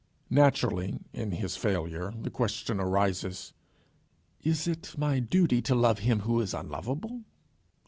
Naturally, in his failure, the question arises, "Is it my duty to love him who is unlovable?"